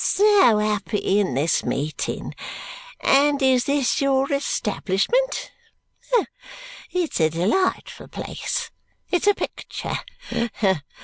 So happy in this meeting! And this is your establishment? It's a delightful place. It's a picture!